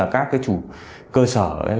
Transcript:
các chủ cơ sở